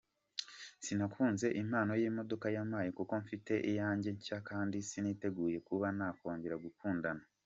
sinakunze impano y’ imodoka yamaye kuko mfite iyanjye nshya kandi siniteguye kuba nakongera gukundana".